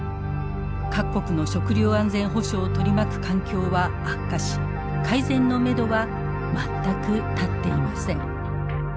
各国の食料安全保障を取り巻く環境は悪化し改善のめどは全く立っていません。